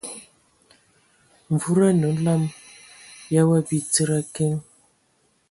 Wuda anə olam ya wa bi tsid a kiŋ.